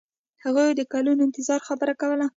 هغوی د کلونو انتظار خبره کوله.